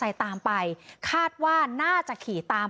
พี่บ๊ายพี่บ๊ายพี่บ๊ายพี่บ๊าย